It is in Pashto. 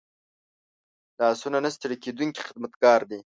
لاسونه نه ستړي کېدونکي خدمتګار دي